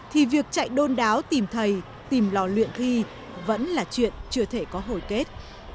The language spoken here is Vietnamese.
thì việc chạy đôn đáo tìm thầy tìm lò luyện thi vẫn là chuyện chưa thể có hồi kết